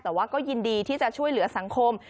แต่ว่าก็ยินดีที่จะช่วยเหลือสังคม